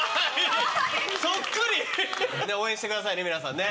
応援してくださいね皆さんね。